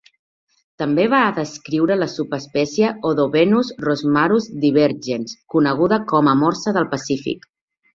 També va descriure la subespècie "Odobenus rosmarus divergens", coneguda com a morsa del Pacífic.